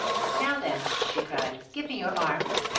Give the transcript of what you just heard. " Now, then !" she cried, " give me your arm.